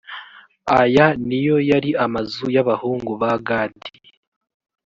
ayo ni yo yari amazu y’abahungu ba gadi.